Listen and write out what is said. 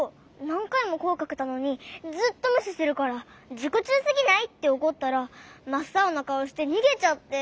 なんかいもこえかけたのにずっとむししてるから「じこちゅうすぎない！？」っておこったらまっさおなかおしてにげちゃって。